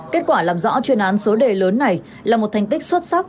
kết quả làm rõ chuyên án số đề lớn này là một thành tích xuất sắc